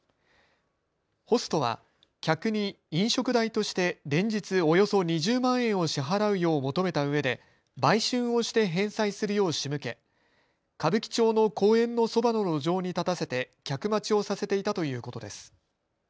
ホストは客に飲食代として連日およそ２０万円を支払うよう求めたうえで売春をして返済するようしむけ、歌舞伎町の公園のそばの路上に立たせて客待ちをさせていたということです。